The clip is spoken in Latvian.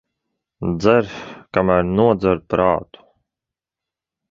Dzer, kamēr nodzer prātu.